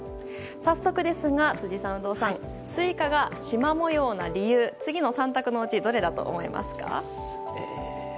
早速ですが、辻さん、有働さんスイカがしま模様な理由次の３択のうちどれだと思いますか？